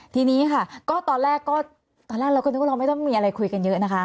ทีนี้ค่ะก็ตอนแรกก็ตอนแรกเราก็นึกว่าเราไม่ต้องมีอะไรคุยกันเยอะนะคะ